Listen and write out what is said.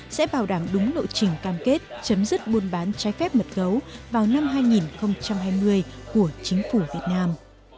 sẽ bảo đảm đúng lộ trình cam kết chấm dứt buôn bán trái phép mật gấu vào năm hai nghìn hai mươi của chính phủ việt nam